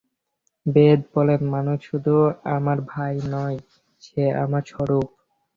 বেদ বলেন মানুষ শুধু আমার ভাই নয়, সে আমার স্বরূপ।